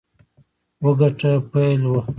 وګټه، پیل وخوره.